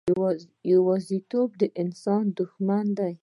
یوازیتوب د انسان دښمن دی.